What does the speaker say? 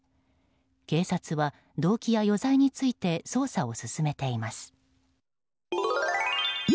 警察は動機や余罪について捜査を進めています。